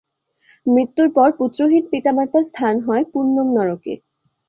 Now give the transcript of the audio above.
মৃত্যুর পর পুত্রহীন পিতামাতার স্থান হয় পুন্নম নরকে।